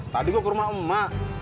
tadi gue ke rumah emak